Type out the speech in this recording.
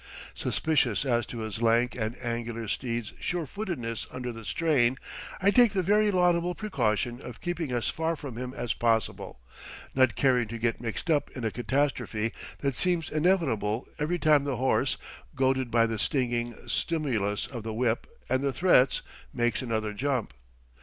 Suspicious as to his lank and angular steed's sure footedness under the strain, I take the very laudable precaution of keeping as far from him as possible, not caring to get mixed up in a catastrophe that seems inevitable every time the horse, goaded by the stinging stimulus of the whip and the threats, makes another jump.